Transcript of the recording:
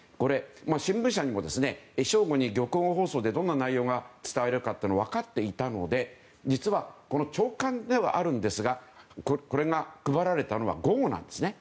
新聞社にも正午に玉音放送でどんな内容を伝えるか分かっていたので実は、これ朝刊ではあるんですがこれが配られたのは午後なんですね。